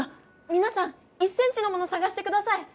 みなさん１ｃｍのものさがしてください！